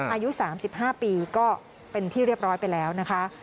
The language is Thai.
อายุ๓๕ปีก็เป็นที่เรียบร้อยไปแล้วนะคะ